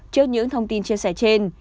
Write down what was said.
trước những thông tin chia sẻ trên